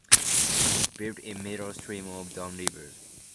Built in middle stream of Don River.